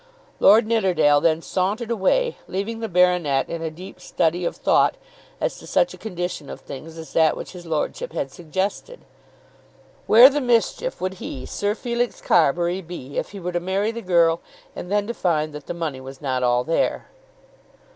Lord Nidderdale then sauntered away, leaving the baronet in a deep study of thought as to such a condition of things as that which his lordship had suggested. Where the mischief would he, Sir Felix Carbury, be, if he were to marry the girl, and then to find that the money was not all there?